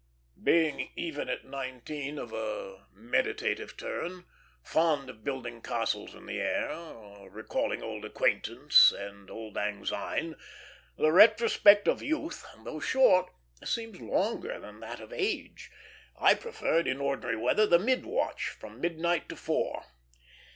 Being even at nineteen of a meditative turn, fond of building castles in the air, or recalling old acquaintance and auld lang syne, the retrospect of youth, though short, seems longer than that of age, I preferred in ordinary weather the mid watch, from midnight to four.